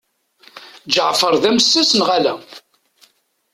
Ǧeɛfer d amessas neɣ ala?